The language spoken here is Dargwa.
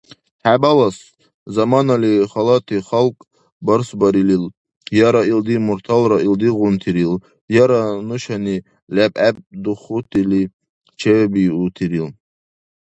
ХӀебалас заманали халати халкь барсбарилил, яра илди мурталра илдигъунтирил, яра нушани лебгӀеб духутили чебиутирил.